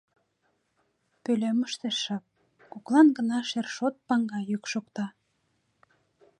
Пӧлемыште шып, коклан гына шершот паҥга йӱк шокта.